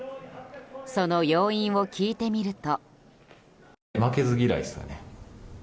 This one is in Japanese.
その要因を聞いてみると。